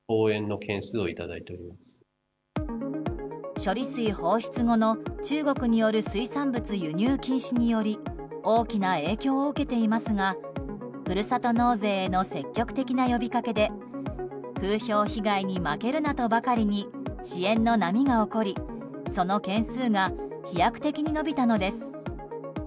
処理水放出後の中国による水産物輸入禁止により大きな影響を受けていますがふるさと納税への積極的な呼びかけで風評被害に負けるなとばかりに支援の波が起こりその件数が飛躍的に伸びたのです。